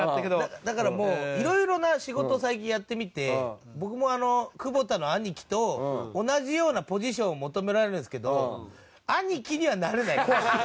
だからもういろいろな仕事を最近やってみて僕も久保田の兄貴と同じようなポジションを求められるんですけど兄貴にはなれない怖くて。